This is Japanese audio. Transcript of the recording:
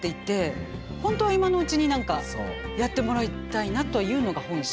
本当は今のうちに何かやってもらいたいなというのが本心。